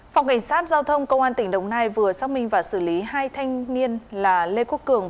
phòng cảnh sát giao thông công an tỉnh đồng nai vừa xác minh và xử lý hai thanh niên là lê quốc cường